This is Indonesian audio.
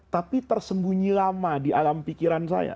tapi tersembunyi lama di alam pikiran saya